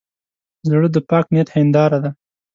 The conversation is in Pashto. زړه د پاک نیت هنداره ده.